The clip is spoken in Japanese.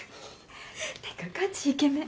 ってかガチイケメン！